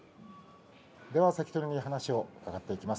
関取に話を伺っていきます。